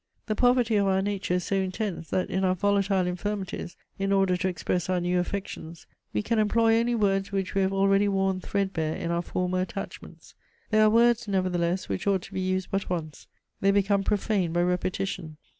The poverty of our nature is so intense that in our volatile infirmities, in order to express our new affections, we can employ only words which we have already worn threadbare in our former attachments. There are words, nevertheless, which ought to be used but once: they become profaned by repetition.